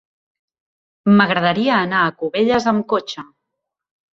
M'agradaria anar a Cubelles amb cotxe.